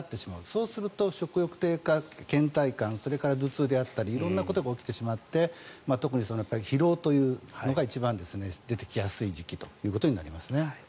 そうすると食欲低下、けん怠感それから頭痛であったり色んなことが起きてしまって特に疲労というのが一番出てきやすい時期となりますね。